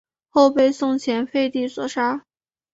后被宋前废帝所杀。